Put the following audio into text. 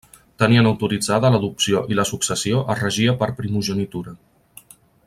Tenien autoritzada l'adopció i la successió es regia per primogenitura.